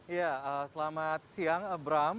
ya selamat siang abram